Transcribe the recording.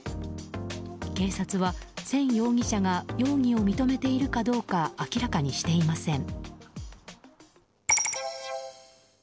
警察は、セン容疑者が容疑を認めているかどうか明らかにしていません。